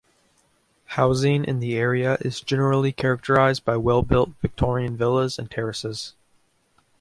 Housing in the area is generally characterised by well-built Victorian villas and terraces.